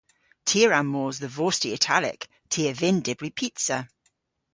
Ty a wra mos dhe vosti italek. Ty a vynn dybri pizza.